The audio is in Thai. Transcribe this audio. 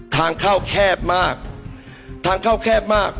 ทางเข้าแคบมากทางเข้าแคบมาก